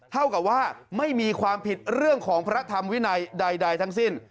เท่ากับว่าไม่มีความผิดเรื่องของพระธรรมวินัยใดทั้งสิ้น